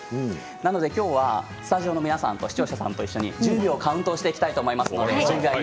なのできょうはスタジオの皆さんと視聴者の皆さんと一緒に１０秒カウントしていきたいと思います。